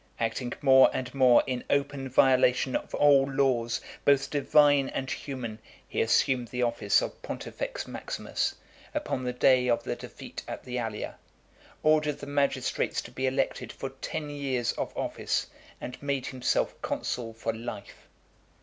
Acting more and more in open violation of all laws, both divine and human, he assumed the office of Pontifex Maximus, upon the day of the defeat at the Allia ; ordered the magistrates to be elected for ten years of office; and made himself consul for life.